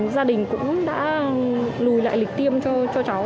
gia đình cũng đã lùi lại lịch tiêm cho cháu